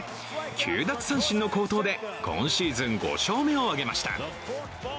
９奪三振の好投で今シーズン５勝目を挙げました。